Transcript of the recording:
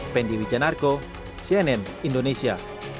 pendi wijanarko cnn indonesia